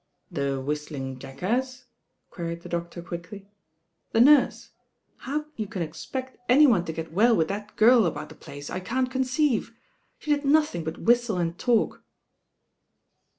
"The whistling jackass?" queried the doctor quickly. "The nurse. How you can expect any one to get well with that girl about the place, I can't conceive. obe did nothing but whistle and talk."